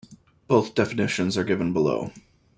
Both definitions are given below.